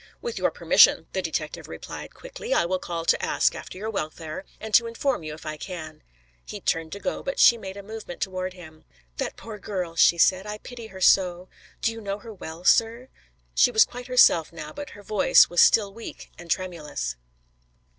"With your permission," the detective replied quickly, "I will call to ask after your welfare, and to inform you if I can." He turned to go, but she made a movement toward him. "That poor girl," she said, "I pity her so. Do you know her well, sir?" She was quite herself now, but her voice was still weak and tremulous.